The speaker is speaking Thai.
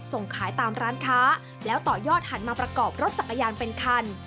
ส่งขายตามร้านค้าแล้วต่อยอดหันมาประกอบรถจักรยานเป็นคัน